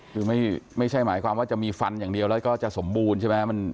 คือไม่ใช่หมายความว่าจะมีฟันอย่างเดียวแล้วก็จะสมบูรณ์ใช่ไหม